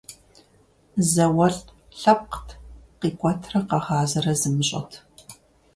ЗауэлӀ лъэпкът, къикӀуэтрэ къэгъазэрэ зымыщӀэт.